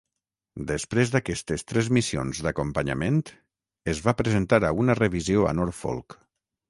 Després d'aquestes tres missions d'acompanyament, es va presentar a una revisió a Norfolk.